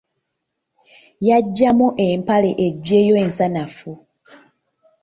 Yaggyamu empale eggyeyo ensanafu.